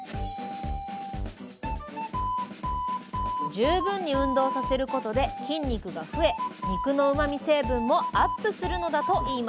十分に運動させることで筋肉が増え肉のうまみ成分もアップするのだといいます。